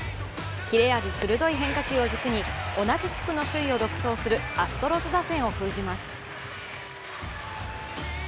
切れ味鋭い変化球を軸に同じ地区の首位を独走するアストロズ打線を封じます。